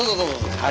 はい。